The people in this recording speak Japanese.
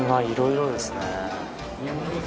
いろいろですね。